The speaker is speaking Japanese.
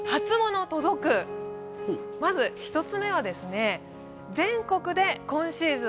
まず一つ目は、全国で今シーズン